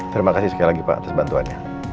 terima kasih sekali lagi pak atas bantuannya